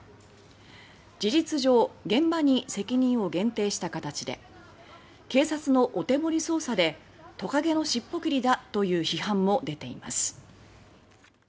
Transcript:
事実上現場に責任を限定した形で「警察のお手盛り捜査でトカゲのしっぽ切りだ」との批判も出ています。